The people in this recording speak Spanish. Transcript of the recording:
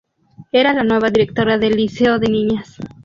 Era la nueva directora del liceo de niñas.